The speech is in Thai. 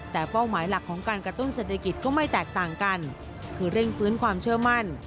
แต่เป้าหมายหลักของการกระตุ้นเศรษฐกิจก็ไม่แตกต่างกันคือเร่งฟื้นความเชื่อมั่น